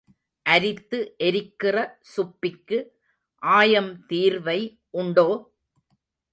அரித்து எரிக்கிற சுப்பிக்கு ஆயம் தீர்வை உண்டோ?